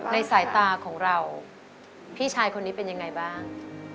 ในสายตาของเราพี่ชายคนนี้เป็นยังไงบ้าง